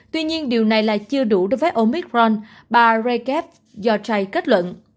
tuy nhiên điều này là chưa đủ đối với omicron bà jaref yotray kết luận